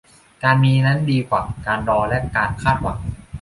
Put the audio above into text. การมีนั้นดีกว่าการรอและการคาดหวัง